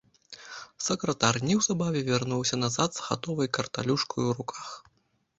Сакратар неўзабаве вярнуўся назад з гатоваю карталюшкаю ў руках.